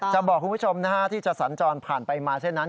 จะบอกคุณผู้ชมที่จะสัญจรผ่านไปมาเส้นนั้น